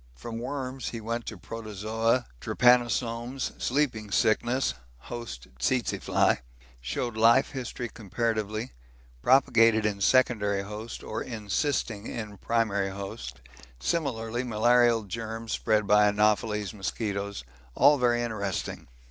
From worms he went to Protozoa Trypanosomes, sleeping sickness, host tsetse fly showed life history comparatively, propagated in secondary host or encysting in primary host similarly malarial germs spread by Anopheles mosquitoes all very interesting.